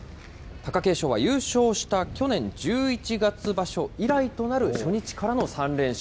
貴景勝は優勝した去年１１月場所以来となる、初日からの３連勝。